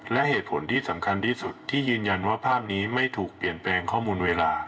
และเหตุผลที่สำคัญที่สุดที่ยืนยันว่าภาพนี้ไม่ถูกเปลี่ยนแปลงข้อมูลเวลา